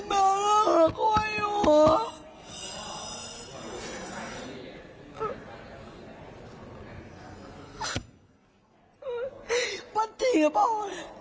มันจริงหรือเปล่า